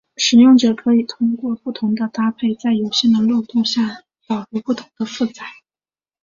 使用者可以通过不同的搭配在有限的漏洞下导入不同的负载。